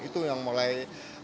itu yang mulai